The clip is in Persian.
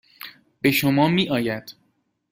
به شما میآید.